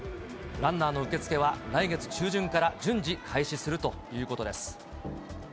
ランナーの受け付けは、来月中旬から順次、開始するということです。